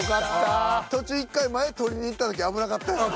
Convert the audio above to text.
途中１回前取りにいった時危なかった。